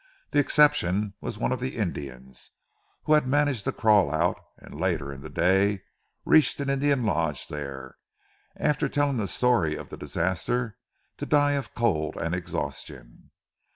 The exception was one of the Indians who had managed to crawl out, and later in the day reached an Indian lodge there, after telling the story of the disaster, to die of cold and exhaustion.